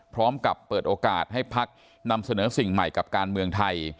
พร้อมกับเปิดโอกาสให้พักนำเสนอสิ่งใหม่กับการเมืองไทย